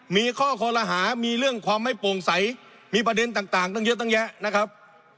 มีข้อคอลหามีเรื่องความไม่โปร่งใสมีประเด็นต่างตั้งเยอะตั้งแยะนะครับ